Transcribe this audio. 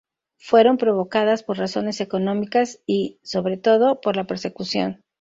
Fueron provocadas por razones económicas y, sobre todo, por la persecución.